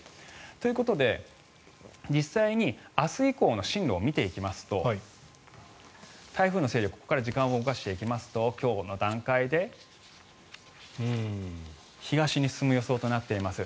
ということで、実際に明日以降の進路を見ていきますと台風の勢力、ここから時間を動かしていきますと今日の段階で東に進む予想となっています。